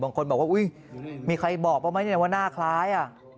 บางคนบอกว่าอุ้ยมีใครบอกเปล่าไหมว่าหน้าคล้าย